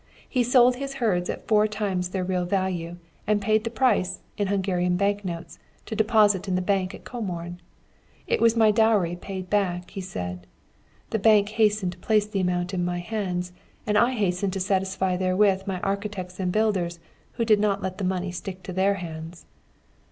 He sold his herds at four times their real value, and paid the price, in Hungarian bank notes, into the deposit bank at Comorn. It was my dowry paid back, he said. The bank hastened to place the amount in my hands; and I hastened to satisfy therewith my architects and builders, who did not let the money stick to their hands.